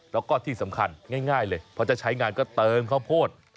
แล้วก็ที่สำคัญง่ายเลยพอจะใช้งานก็เติมข้าวโพด